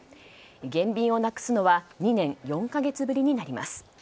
減便をなくすのは２年４か月ぶりになります。